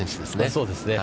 そうですね。